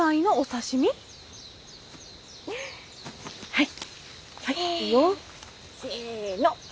はい。